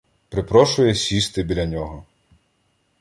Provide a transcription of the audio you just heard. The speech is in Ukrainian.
Припрошує сісти біля нього.